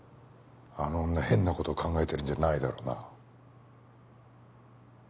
あの女変な事を考えてるんじゃないだろうな？